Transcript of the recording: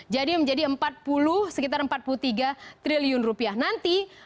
jadi menjadi empat puluh sekitar empat puluh tiga triliun rupiah nanti